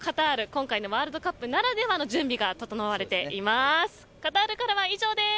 今回のワールドカップならではの準備が整われています。